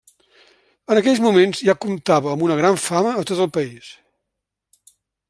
En aquells moments ja comptava amb una gran fama a tot el país.